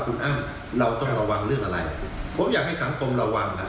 คุณอ้ำเราต้องระวังเรื่องอะไรผมอยากให้สังคมระวังนะ